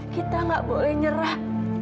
kita nggak boleh nyerah